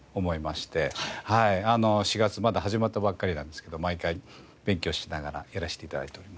４月まだ始まったばっかりなんですけど毎回勉強しながらやらせて頂いております。